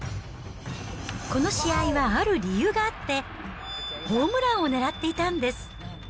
この試合はある理由があって、ホームランを狙っていたんです。